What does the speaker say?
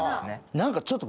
何かちょっと。